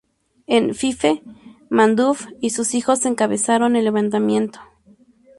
En Fife, MacDuff y sus hijos encabezaron el levantamiento.